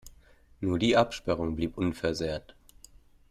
Nur die Absperrung blieb unversehrt.